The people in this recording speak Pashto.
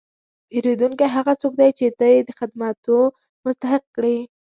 پیرودونکی هغه څوک دی چې ته یې د خدمتو مستحق کړې.